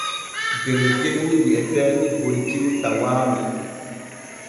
Der genni wi'eteeni Borikiru tawaami.